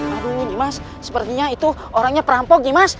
aduh gimas sepertinya itu orangnya perampok gimas